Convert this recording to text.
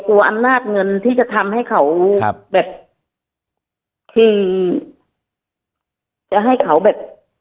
กลัวอำนาจเงินที่จะทำให้เขาแบบ